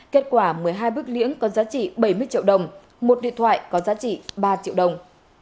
kết quả một mươi hai bức liễng có giá trị bảy mươi triệu đồng một điện thoại có giá trị ba triệu đồng